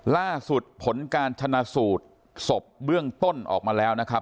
ล่าสุดผลการชนะสูตรศพเบื้องต้นออกมาแล้วนะครับ